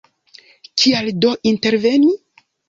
Kial do interveni?